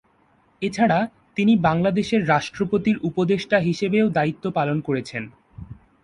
এছাড়া, তিনি বাংলাদেশের রাষ্ট্রপতির উপদেষ্টা হিসেবেও দায়িত্ব পালন করেছেন।